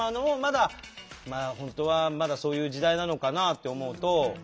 まあ本当はまだそういう時代なのかなあって思うと。